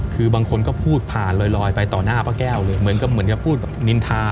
คือบางคนก็พูดผ่านลอยไปต่อหน้าป้าแก้วเลยเหมือนกับเหมือนกับพูดแบบนินทา